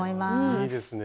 いいですね